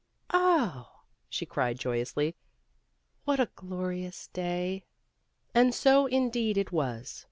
"Oh," she cried joyously, ''what a glorious day!" And so indeed it was.